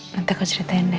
nanti aku ceritain deh